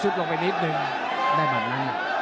สุดลงไปนิดนึง